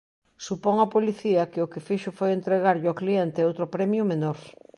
Supón a policía que o que fixo foi entregarlle ao cliente outro premio menor.